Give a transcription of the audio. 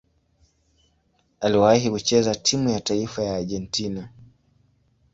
Aliwahi kucheza timu ya taifa ya Argentina.